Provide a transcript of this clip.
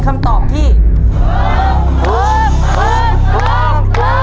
คำตอบวน